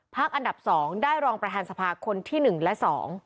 อันดับ๒ได้รองประธานสภาคนที่๑และ๒